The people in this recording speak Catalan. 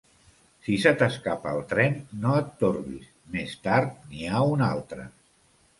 Si se t'escapa el tren, no et torbis; més tard n'hi ha un altre.